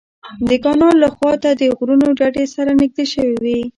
د کانال خوا ته د غرونو ډډې سره نږدې شوې وې.